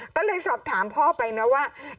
ก็เลยสอบถามพ่อไปนะว่า